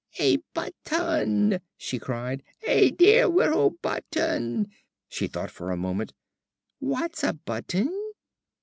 "A button," she cried. "A dear little button!" She thought for a moment. "What's a button?"